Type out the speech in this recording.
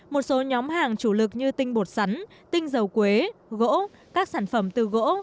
một số nhóm hàng chủ lực như tinh bột sắn tinh dầu quế gỗ các sản phẩm từ gỗ